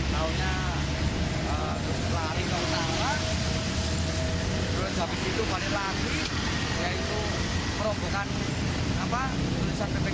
tahunya selari ke utara lalu habis itu paling lagi yaitu merobotan perusakan ppkm